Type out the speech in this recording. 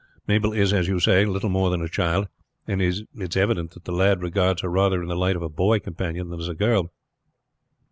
Mabel is, as you say, little more than a child, and it is evident that the lad regards her rather in the light of a boy companion than as a girl.